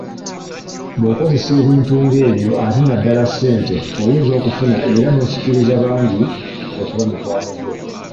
Bw'okozesa ebintu ng'ebyo ate naddala ssente oyinza okufuna era n'osikiriza bangi okuba mikwano gyo.